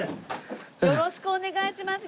よろしくお願いします